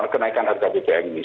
kenaikan harga blt ini